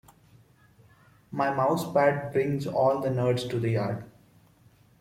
My mousepad brings all the nerds to the yard.